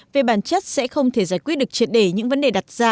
về bản chất sẽ không thể giải quyết được triệt đề những vấn đề đặt ra